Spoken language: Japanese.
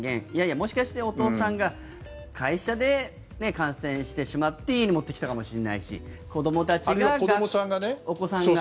もしかしてお父さんが会社で感染してしまって家に持ってきたかもしれないしあるいはお子さんが。